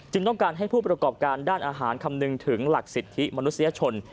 ต้องการให้ผู้ประกอบการด้านอาหารคำนึงถึงหลักสิทธิมนุษยชน